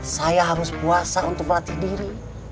saya harus puasa untuk melatih diri